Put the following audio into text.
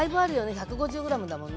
１５０ｇだもんね。